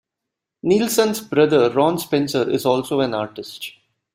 Nielsen's brother, Ron Spencer, is also an artist.